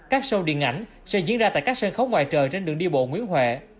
các show điện ảnh sẽ diễn ra tại các sân khấu ngoài trời trên đường đi bộ nguyễn huệ